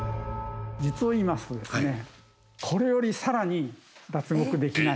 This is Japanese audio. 実を言いますとですねこれより。